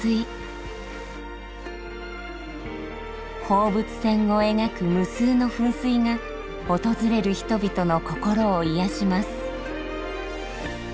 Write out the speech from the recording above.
放物線をえがく無数の噴水がおとずれる人々の心をいやします。